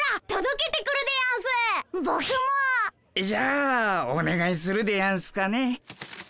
じゃあおねがいするでやんすかね。